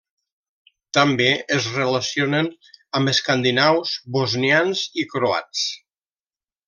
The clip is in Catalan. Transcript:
També es relacionen amb escandinaus, bosnians i croats.